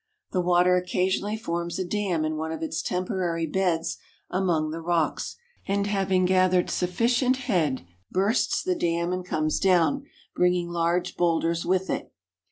The water occasionally forms a dam in one of its temporary beds among the rocks, and having gathered sufficient head, bursts the dam and comes down, bringing large boulders with it.